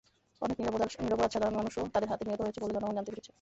অনেক নিরপরাধ সাধারণ মানুষও তাদের হাতে নিহত হয়েছে বলে জনগণ জানতে পেরেছে।